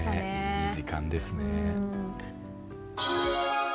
いい時間ですね。